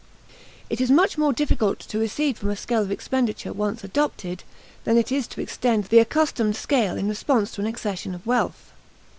It is much more difficult to recede from a scale of expenditure once adopted than it is to extend the accustomed scale in response to an accession of wealth.